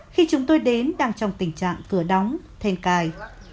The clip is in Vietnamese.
khi chúng tôi đến đang trong tình trạng cửa đóng then cài